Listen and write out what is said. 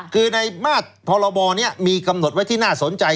คือในมาตรพรบนี้มีกำหนดไว้ที่น่าสนใจ